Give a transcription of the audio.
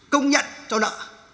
công nhận cho nợ